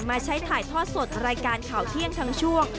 มาใช้ถ่ายทอดสดรายการข่าวเที่ยงทั้งช่วง